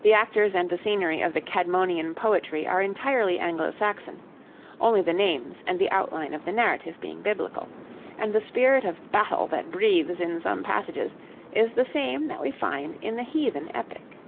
The actors and the scenery of the Cædmonian poetry are entirely Anglo Saxon, only the names and the outline of the narrative being biblical; and the spirit of battle that breathes in some passages is the same that we find in the heathen epic.